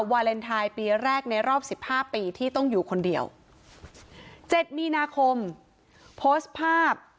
วาเลนไทยปีแรกในรอบสิบห้าปีที่ต้องอยู่คนเดียว๗มีนาคมโพสต์ภาพ